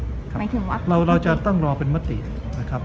อ๋อนี่ทางเดียวกันนะครับเราจะต้องรอเป็นมตินะครับ